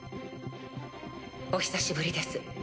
お久しぶりです